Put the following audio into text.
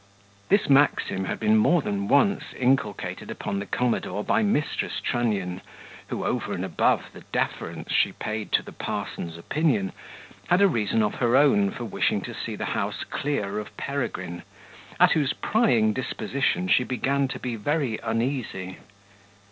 This maxim had been more than once inculcated upon the commodore by Mrs. Trunnion, who, over and above the deference she paid to the parson's opinion, had a reason of her own for wishing to see the house clear of Peregrine, at whose prying disposition she began to be very uneasy.